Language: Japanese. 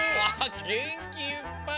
げんきいっぱい！